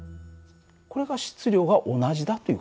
これが質量が同じだという事なの。